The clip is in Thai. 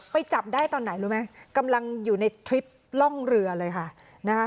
จับได้ตอนไหนรู้ไหมกำลังอยู่ในทริปร่องเรือเลยค่ะนะคะ